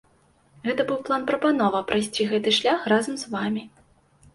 Гэта быў план-прапанова прайсці гэты шлях разам з вамі.